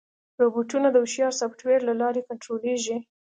روبوټونه د هوښیار سافټویر له لارې کنټرولېږي.